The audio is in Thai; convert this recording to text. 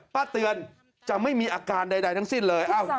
พระเจริญจะไม่มีอาการใดทั้งสิ้นเลย